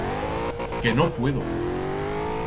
Que no puedo!